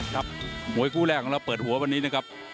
ครับมวยคู่แรกของเราเปิดหัววันนี้นะครับ